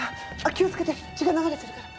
気をつけて血が流れてるから。